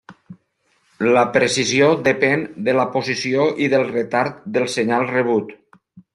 La precisió depèn de la posició i del retard del senyal rebut.